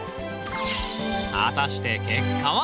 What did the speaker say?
果たして結果は？